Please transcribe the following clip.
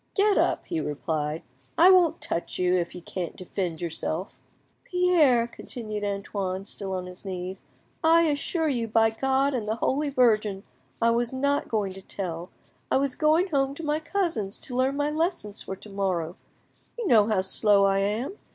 "Get up," he replied; "I won't touch you, if you can't defend yourself. "Pierre," continued Antoine, still on his knees, "I assure you, by God and the Holy Virgin, I was not going to tell. I was going home to my cousins to learn my lessons for to morrow; you know how slow I am.